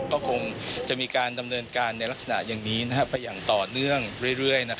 ก็คงจะมีการดำเนินการในลักษณะอย่างนี้ไปอย่างต่อเนื่องเรื่อย